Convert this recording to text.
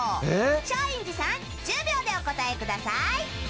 松陰寺さん１０秒でお答えください。